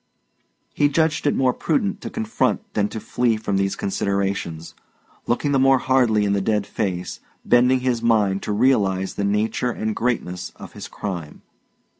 He judged it more prudent to confront than to flee from these considerations, looking the more hardily in the dead face, bending his mind to realise the nature and greatness of his crime.